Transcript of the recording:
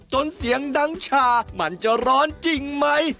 เสียงดังชามันจะร้อนจริงไหม